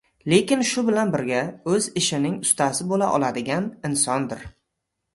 lekin shu bilan birga, o‘z ishining ustasi bo‘la oladigan insondir.